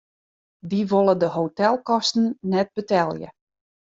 Dy wolle de hotelkosten net betelje.